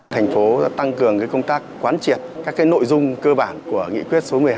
thành phố tăng cường công tác quán triệt các nội dung cơ bản của nghị quyết số một mươi hai